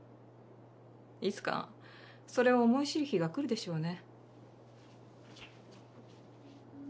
いつかそれを思い知る日が来るでしょうね。